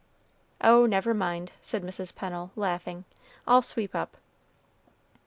"Oh, never mind," said Mrs. Pennel, laughing, "I'll sweep up."